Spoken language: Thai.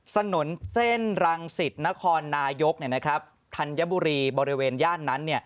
ถนนเส้นรังสิตนครนายกธัญบุรีบริเวณย่านนั้น